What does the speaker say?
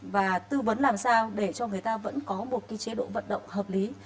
và tư vấn làm sao để cho người ta vẫn có một chế độ vận động hợp lý